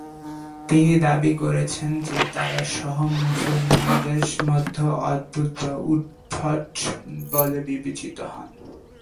তিনি দাবি করেছেন যে তারা সহ-মুসলমানদের মধ্যেও অদ্ভুত বা উদ্ভট বলে বিবেচিত হন।